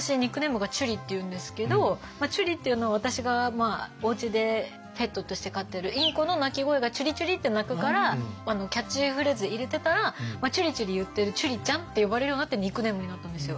なんで私「ちゅり」っていうのは私がおうちでペットとして飼ってるインコの鳴き声が「ちゅりちゅり」って鳴くからキャッチフレーズで入れてたら「ちゅりちゅり」言ってる「ちゅりちゃん」って呼ばれるようになってニックネームになったんですよ。